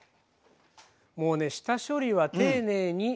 もうね下処理は丁寧に。